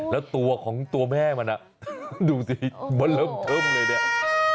แล้วตัวของตัวแม่มันดูสิมันเริ่มเทิมเลยเนี่ย